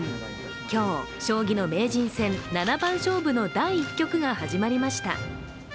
今日、将棋の名人戦七番勝負の第１局が始まりました。